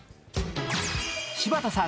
柴田さん